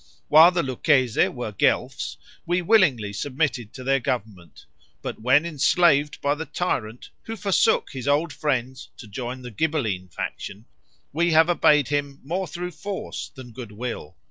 While the Lucchese were Guelphs we willingly submitted to their government; but when enslaved by the tyrant, who forsook his old friends to join the Ghibelline faction, we have obeyed him more through force than good will.